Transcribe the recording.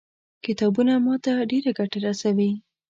کتابونه ما ته ډېره ګټه رسوي.